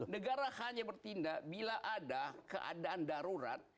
negara hanya bertindak bila ada keadaan darurat